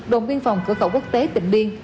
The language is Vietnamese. đồn biên phòng cửa khẩu quốc tế tỉnh biên